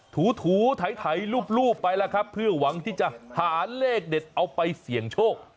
ถูถูถ่ายรูปไปแล้วครับเพื่อหวังที่จะหาเลขเด็ดเอาไปเสี่ยงโชค